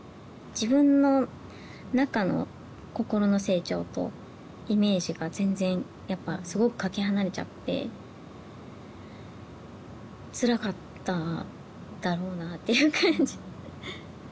自分の中の心の成長とイメージが全然やっぱすごくかけ離れちゃってつらかっただろうなっていう感じ